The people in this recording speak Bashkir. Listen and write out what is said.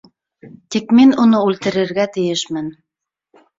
Тик мин уны үлтерергә тейешмен.